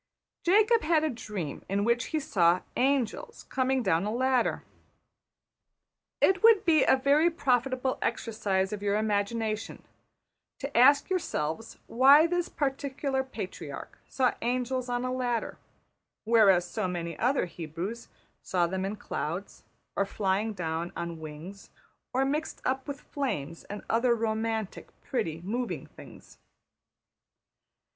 Jacob had a dream in which he saw ``angels'' coming down a ladder. It would be a very profitable exercise of your imagination to ask yourselves why this particular patriarch saw angels on a ladder, whereas so many other Hebrews saw them in clouds, or flying down on wings, or mixed up with flames and other romantic, pretty, moving things.